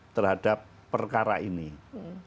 terhadap perkara ini hmm